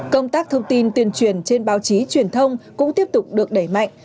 công tác thông tin tuyên truyền trên báo chí truyền thông cũng tiếp tục được đẩy mạnh